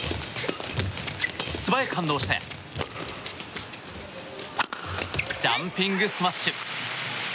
素早く反応してジャンピングスマッシュ！